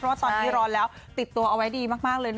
เพราะว่าตอนนี้ร้อนแล้วติดตัวเอาไว้ดีมากเลย